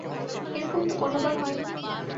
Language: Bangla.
এরকম তো কোনোবার হয় না?